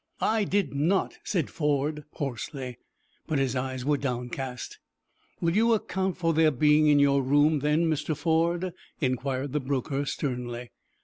"I did not," said Ford, hoarsely, but his eyes were downcast. "Will you account for their being in your room, then, Mr. Ford?" inquired the broker, sternly.